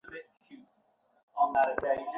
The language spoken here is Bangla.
এর অর্থ এই নয় যে, আমি চুক্তি ভঙ্গ করেছি।